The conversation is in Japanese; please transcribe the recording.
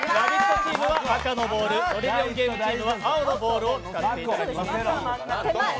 チームは赤のボール、「トリリオンゲーム」チームは青のボールを使っていただきます。